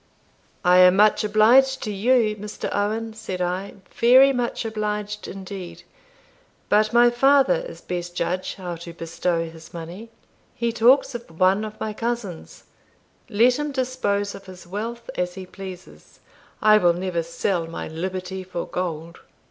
"I am much obliged to you, Mr. Owen," said I "very much obliged indeed; but my father is best judge how to bestow his money. He talks of one of my cousins: let him dispose of his wealth as he pleases I will never sell my liberty for gold."